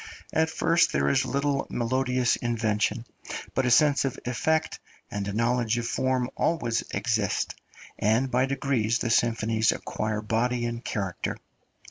At first there is little melodious invention, but a sense of effect and a knowledge of form always exist, and by degrees the symphonies acquire body and character.